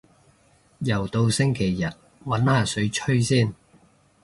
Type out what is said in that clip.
又到星期日，搵下水吹先